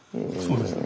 そうです。